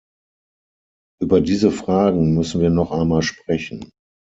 Über diese Fragen müssen wir noch einmal sprechen.